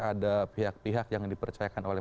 ada pihak pihak yang dipercayakan oleh